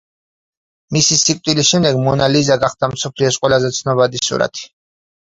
მისი სიკვდილის შემდეგ მონა ლიზა გახდა მსოფლიოს ყველაზე ცნობადი სურათი.